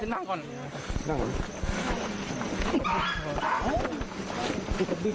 หลังจากที่สุดยอดเย็นหลังจากที่สุดยอดเย็น